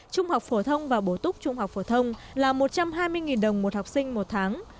trung học phổ thông và bổ túc trung học phổ thông là một trăm hai mươi đồng một học sinh một tháng